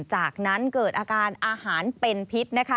จากนั้นเกิดอาการอาหารเป็นพิษนะคะ